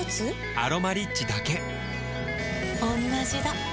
「アロマリッチ」だけおんなじだ